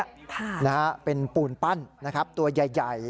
ค่ะนะฮะเป็นปูนปั้นนะครับตัวใหญ่ใหญ่